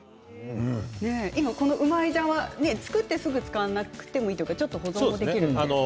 この、うまい醤は作ってすぐ使わなくてもいいというか保存もできるんですね。